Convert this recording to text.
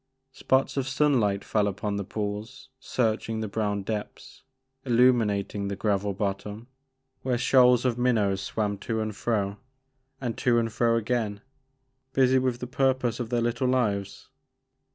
Spots of sun light fell upon the pools, searching the brown depths, illuminating the gravel bottom where shoals of minnows swam to and fro, and to and fro again, busy with the purpose of their little lives.